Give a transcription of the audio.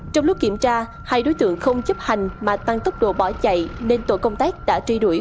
trong lúc kiểm tra hai đối tượng không chấp hành mà tăng tốc độ bỏ chạy nên tổ công tác đã truy đuổi